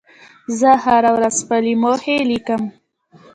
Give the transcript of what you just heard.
زه هره ورځ خپل موخې لیکم.